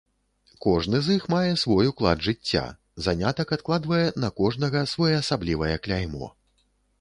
Кожны з іх мае свой уклад жыцця, занятак адкладвае на кожнага своеасаблівае кляймо.